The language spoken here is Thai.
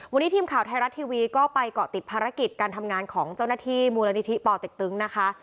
วันนี้ทีมข่าวไทยรัฐทีวีก็ไปเกาะติดภารกิจการทำงานของเจ้าหน้าที่มูลนิธิป่อเต็กตึงนะคะ